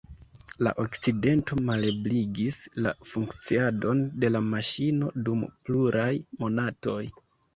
La akcidento malebligis la funkciadon de la maŝino dum pluraj monatoj.